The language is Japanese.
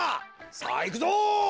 さあいくぞ！